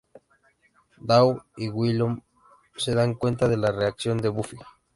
Dawn y Willow se dan cuenta de la reacción de Buffy.